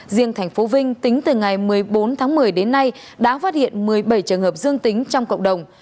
riêng tp vinh tính từ ngày một mươi bốn tháng một mươi đến nay đã phát hiện một mươi bảy trường hợp dương tính trong cộng đồng